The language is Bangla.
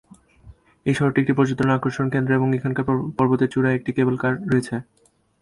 এই শহরটি একটি পর্যটন আকর্ষণ কেন্দ্র, এবং এখানকার পর্বতের চূড়ায় একটি ক্যাবল কার রয়েছে।